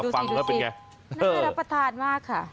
ฟังแล้วเป็นไงน่ารับประทานมากค่ะ